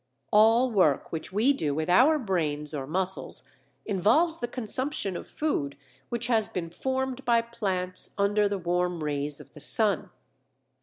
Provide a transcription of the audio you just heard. All work which we do with our brains or muscles involves the consumption of food which has been formed by plants under the warm rays of the sun.